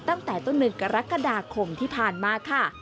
ตั้งแต่ต้นเดือนกรกฎาคมที่ผ่านมาค่ะ